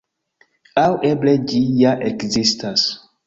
Aŭ eble ĝi ja ekzistas.